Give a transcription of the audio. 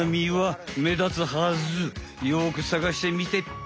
よくさがしてみてっぴ。